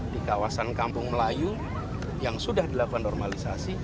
di kawasan kampung melayu yang sudah dilakukan normalisasi